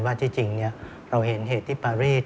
ที่จริงเราเห็นเหตุที่ปารีส